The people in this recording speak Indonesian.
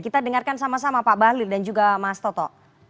kita dengarkan sama sama pak bahlil dan juga mas toto